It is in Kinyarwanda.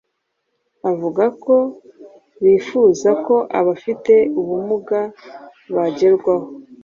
avuga ko bifuza ko abafite ubumuga bagerwaho